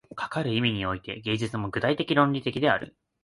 かかる意味において、芸術も具体的論理的である。